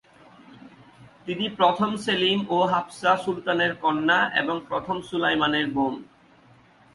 তিনি প্রথম সেলিম ও হাফসা সুলতানের কন্যা এবং প্রথম সুলাইমানের বোন।